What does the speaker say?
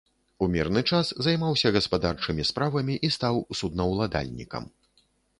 У мірны час займаўся гаспадарчымі справамі і стаў суднаўладальнікам.